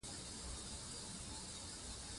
تاسو تاریخ ته په کومه سترګه ګورئ؟